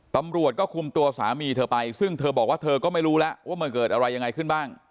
ตำรวจก็คุมตัวสามีเธอไปซึ่งเธอบอกว่าเธอก็ไม่รู้แล้วว่ามันเกิดอะไรยังไงขึ้นบ้าง